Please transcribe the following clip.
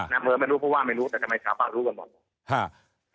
อำเภอไม่รู้เพราะว่าไม่รู้แต่ทำไมชาวบ้านรู้กันหมด